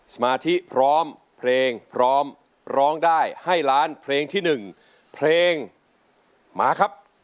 สมาธิพร้อมเพลงพร้อมร้องได้ให้ล้านเพลงที่๑เพลงมาครับ